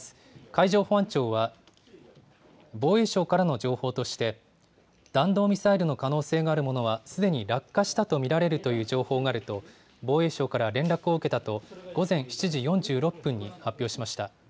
海上保安庁は、防衛省からの情報として、弾道ミサイルの可能性のあるものはすでに落下したと見られるという情報があると、防衛省から連絡を受けたと、午前７時４６分に発表しました。